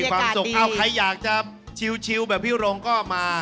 มีความสุขใครอยากจะชิลแบบพี่รงก็มากินได้